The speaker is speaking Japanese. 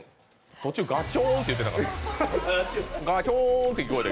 途中、ガチョーンって言ってなかった？